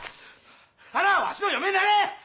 ハナはわしの嫁になれ！